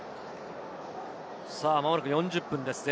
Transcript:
まもなく４０分です。